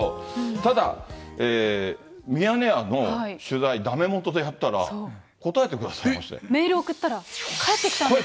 ただ、ミヤネ屋の取材、だめもとでやったら、答えてくださいましメール送ったら、帰ってきたんです。